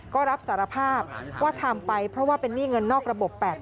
ก็รับสารภาพว่าทำไปเพราะว่าเป็นหนี้เงินนอกระบบ๘๐๐